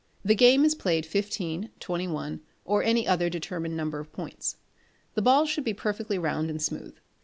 The game is played fifteen, twenty one, or any other determined number of points. The balls should be perfectly round and smooth.